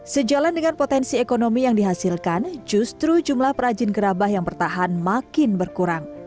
sejalan dengan potensi ekonomi yang dihasilkan justru jumlah perajin gerabah yang bertahan makin berkurang